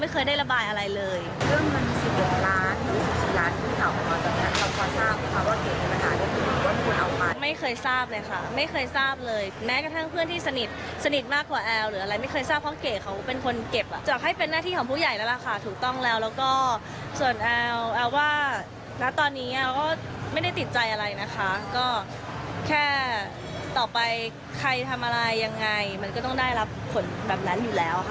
เคยได้ระบายอะไรเลยแม้กระทั่งเพื่อนที่สนิทสนิทมากกว่าแอลหรืออะไรไม่เคยทราบเพราะเก๋เขาเป็นคนเก็บอ่ะอยากให้เป็นหน้าที่ของผู้ใหญ่แล้วล่ะค่ะถูกต้องแล้วแล้วก็ส่วนแอลแอลว่าณตอนนี้แอลก็ไม่ได้ติดใจอะไรนะคะก็แค่ต่อไปใครทำอะไรยังไงมันก็ต้องได้รับผลแบบนั้นอยู่แล้วค่ะ